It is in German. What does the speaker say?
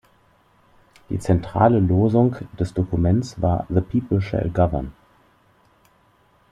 Die zentrale Losung des Dokuments war "The People Shall Govern!